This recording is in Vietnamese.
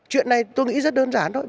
chuyện này tôi nghĩ rất đơn giản thôi